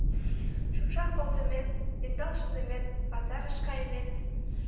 Шупшал колтымет, ӧндал шындымет, пазарыш кайымет...